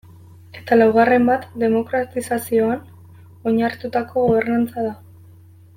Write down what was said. Eta laugarren bat demokratizazioan oinarritutako gobernantza da.